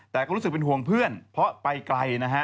แต่ก็รู้สึกเป็นห่วงเพื่อนเพราะไปไกลนะฮะ